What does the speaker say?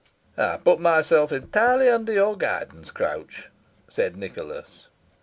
"I put myself entirely under your guidance, Crouch," said Nicholas.